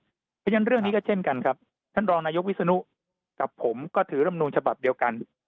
เพราะฉะนั้นเรื่องนี้ก็เช่นกันครับท่านรองนายกวิศนุกับผมก็ถือรำนูลฉบับเดียวกัน